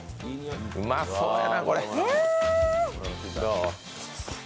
うまそうやな、これ。